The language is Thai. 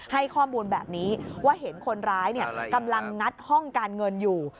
ให้ข้อมูลแบบนี้ว่าเห็นคนร้ายกำลังงัดห้องการเงินอยู่